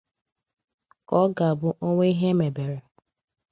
ka ọ ga-abụ o nwee ihe e mebere